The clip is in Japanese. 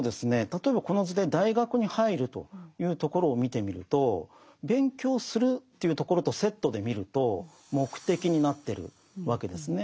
例えばこの図で大学に入るというところを見てみると勉強するというところとセットで見ると目的になってるわけですね。